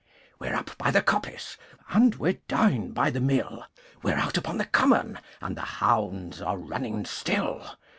We're up by the Coppice And we're down by the Mill, We're out upon the Common, And the hounds are running still.